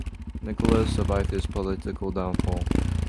Nicholas survived his political downfall.